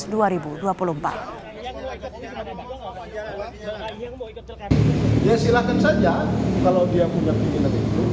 ya silahkan saja kalau dia punya kegiatan itu